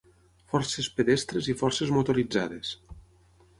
Forces pedestres i forces motoritzades.